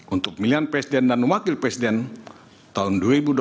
untuk pilihan presiden dan wakil presiden tahun dua ribu dua puluh empat